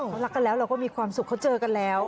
เขารักกันแล้วเราก็มีความสุขเขาเจอกันแล้ว